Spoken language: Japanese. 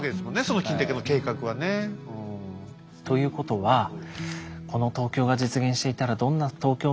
その近代化の計画はね。ということはこの東京が実現していたらどんな東京の姿になっていたのか。